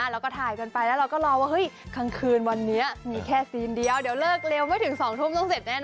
แล้วก็ถ่ายไปแล้วก็รอว่าคุณวันนี้มีเป็นแค่ซีนเดียวเดี๋ยวเลิกเร็วไม่ถึง๒ทุ่มต้องเสร็จแน่นอน